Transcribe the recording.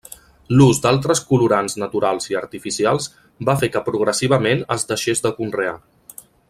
L'ús d'altres colorants naturals i artificials va fer que progressivament es deixés de conrear.